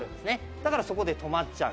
だからそこで止まっちゃう。